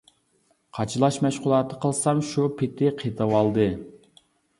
قاچىلاش مەشغۇلاتى قىلسام شۇ پېتى قېتىۋالدى.